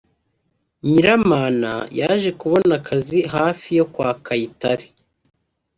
Nyiramana yaje kubona akazi hafi yo kwa Kayitare